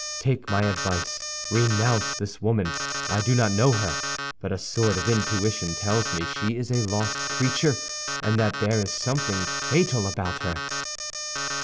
Take my advice, renounce this woman. I do not know her, but a sort of intuition tells me she is a lost creature, and that there is something fatal about her."